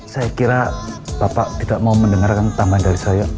saya kira bapak tidak mau mendengarkan tambahan dari saya